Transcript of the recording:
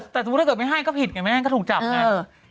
แต่สมมุติถ้าเกิดไม่ให้ก็ผิดไงแม่ก็ถูกจับไง